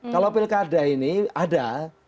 kalau pilkada ini ada